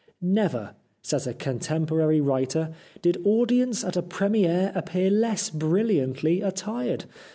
" Never," says a contemporary writer, " did audience at a premiere appear less brilliantly attired.